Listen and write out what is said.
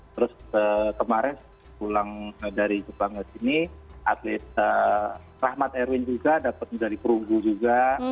terus kemarin pulang dari jepang ke sini atlet rahmat erwin juga dapat medali perunggu juga